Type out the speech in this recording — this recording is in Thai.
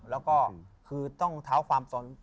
แล้วก็คือต้องเท้าความสน